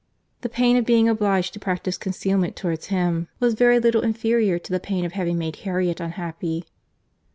The pain of being obliged to practise concealment towards him, was very little inferior to the pain of having made Harriet unhappy.